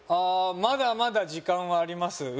「まだまだ時間はあります」